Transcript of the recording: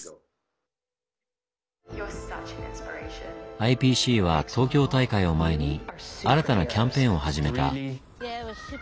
ＩＰＣは東京大会を前に新たなキャンペーンを始めた。